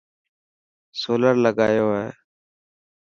سولر لگايو هي.